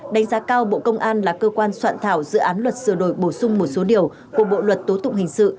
đánh giá cao bộ công an là cơ quan soạn thảo dự án luật sửa đổi bổ sung một số điều của bộ luật tố tụng hình sự